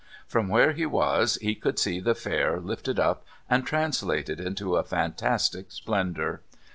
From where he was he could see the Fair lifted up and translated into a fantastic splendour.